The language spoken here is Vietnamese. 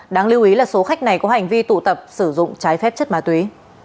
đáng lưu ý là số khách này có hành vi tụ tập sử dụng trái phép chất ma túy